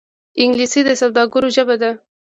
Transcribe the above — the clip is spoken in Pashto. انګلیسي د سوداګرو ژبه ده